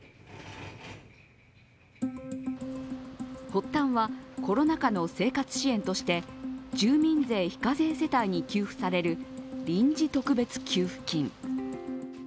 発端はコロナ禍の生活支援として住民税非課税世帯に給付される臨時特別給付金。